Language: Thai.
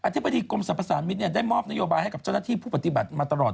ธิบดีกรมสรรพสามิตรได้มอบนโยบายให้กับเจ้าหน้าที่ผู้ปฏิบัติมาตลอด